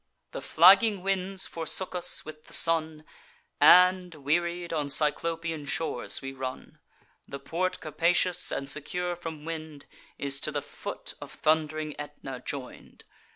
The flagging winds forsook us, with the sun; And, wearied, on Cyclopian shores we run. The port capacious, and secure from wind, Is to the foot of thund'ring Aetna join'd.